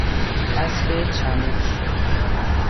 اسب چموش